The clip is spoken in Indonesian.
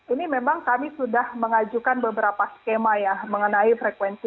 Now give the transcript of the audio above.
ini memang kami sudah mengajukan beberapa skema ya mengenai frekuensi